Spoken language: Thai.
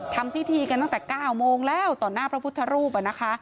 ทำพิธีกันตั้งแต่๙โมงแล้วต่อหน้าพระพุทธรูปนะคะ